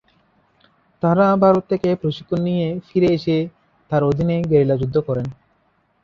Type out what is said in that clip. তারা ভারত থেকে প্রশিক্ষণ নিয়ে ফিরে এসে তার অধীনে গেরিলা যুদ্ধ করেন।